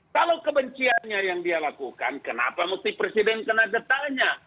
kalau kebenciannya yang dia lakukan kenapa mesti presiden kena detanya